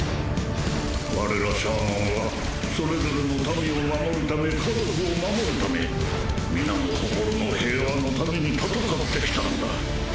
我らシャーマンはそれぞれの民を守るため家族を守るため皆の心の平和のために戦ってきたのだ。